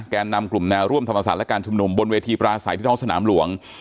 นำกลุ่มแนวร่วมธรรมศาสตร์และการชุมนุมบนเวทีปราศัยที่ท้องสนามหลวง